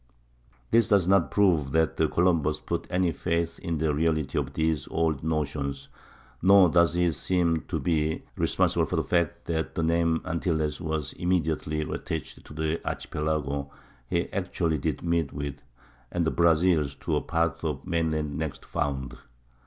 This does not prove that Columbus put any faith in the reality of these old notions, nor does he seem to be responsible for the fact that the name Antilles was immediately attached to the archipelago he actually did meet with, and The Brazils to a part of the mainland next found.